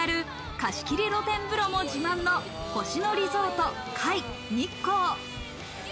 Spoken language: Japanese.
貸し切り露天風呂も自慢の「星野リゾート界日光」。